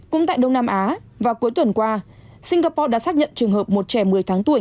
cũng tại đông nam á vào cuối tuần qua singapore đã xác nhận trường hợp một trẻ một mươi tháng tuổi